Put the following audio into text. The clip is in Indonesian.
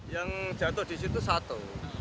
yang jatuh di situ satu